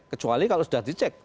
kecuali kalau sudah dicek